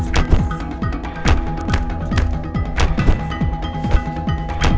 nori neririm mudah mudahan karina itu masih lunghrosnya atau mau ny shaken